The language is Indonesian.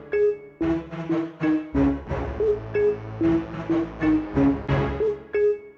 terima kasih bet